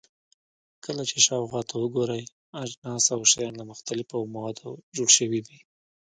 کله چې شاوخوا ته وګورئ، اجناس او شیان له مختلفو موادو جوړ شوي دي.